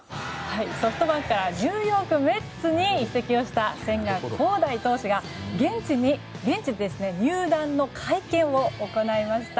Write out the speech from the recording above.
ソフトバンクからニューヨーク・メッツに移籍した千賀滉大投手が現地で入団の会見を行いました。